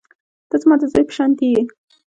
ته زما د زوى په شانتې يې.